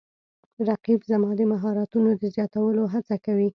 رقیب زما د مهارتونو د زیاتولو هڅه کوي